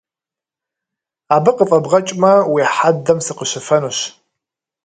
Абы къыфӏэбгъэкӏмэ уи хьэдэм сыкъыщыфэнущ!